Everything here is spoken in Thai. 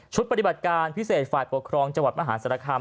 ปฏิบัติการพิเศษฝ่ายปกครองจังหวัดมหาศาลคาม